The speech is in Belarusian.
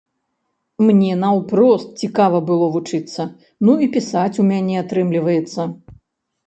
Мне наўпрост цікава было вучыцца, ну і пісаць у мяне атрымліваецца.